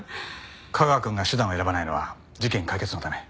架川くんが手段を選ばないのは事件解決のため。